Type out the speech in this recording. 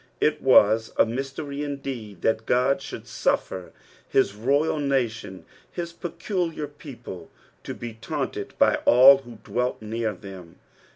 It was a mystery indeed that Ood should slifier his royal oatioa, his peculiar people, to be taunted by all who dwelt near them.